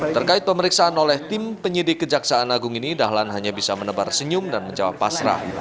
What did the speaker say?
terkait pemeriksaan oleh tim penyidik kejaksaan agung ini dahlan hanya bisa menebar senyum dan menjawab pasrah